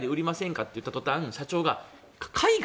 って言ったとたんに社長が海外？